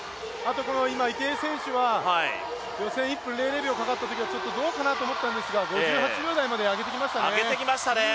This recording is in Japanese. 池江選手は、予選１分００秒かかったときはちょっとどうかなと思ったんですが５８秒台まで上げてきましたね。